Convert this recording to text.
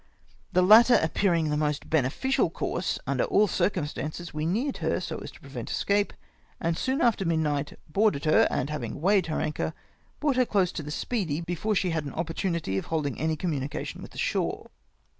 The latter appearing the most beneficial course under all circumstances, we neared her so as to prevent escape, and soon after midnight boarded her, and having weighed her anchor, brought her close to the Sjyeedy, before she had an opportunity of holding any communication with the shore.